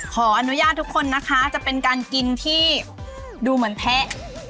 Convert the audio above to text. ขออนุญาตทุกคนนะคะจะเป็นการกินที่ดูเหมือนแทะ